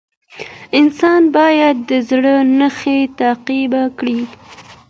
انسان باید د زړه نښې تعقیب کړي.